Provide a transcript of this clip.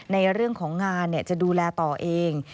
ในเรื่องของงานจะดูแลต่อเอง